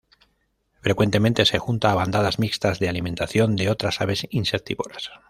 Frecuentemente se junta a bandada mixtas de alimentación de otras aves insectívoras.